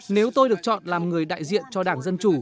nếu tôi được chọn làm người đại diện cho đảng dân chủ